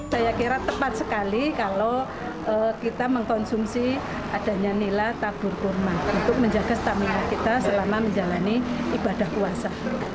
saya kira tepat sekali kalau kita mengkonsumsi adanya nilai tabur kurma untuk menjaga stamina kita selama menjalani ibadah puasa